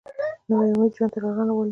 نوی امید ژوند ته رڼا راولي